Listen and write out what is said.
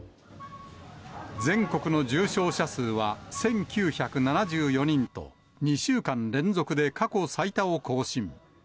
全国の重症者数は１９７４人と、２週間連続で過去最多を更新。